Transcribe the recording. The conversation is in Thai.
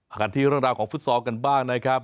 กันที่เรื่องราวของฟุตซอลกันบ้างนะครับ